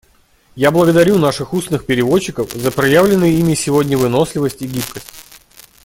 Я благодарю наших устных переводчиков за проявленные ими сегодня выносливость и гибкость.